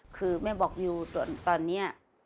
คือแม่บอกยูตอนนี้